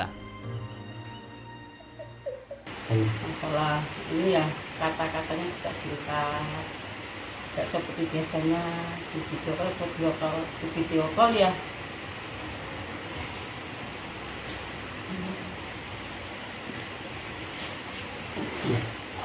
hai selalu ya kata katanya juga singkat nggak seperti biasanya di video call ya